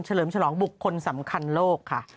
เฉลิมฉลองบุคคลสำคัญโลกค่ะ